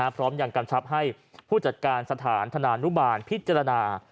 พร้อมยังกำชับให้ผู้จัดการสถานธนานุบาลพิจารณา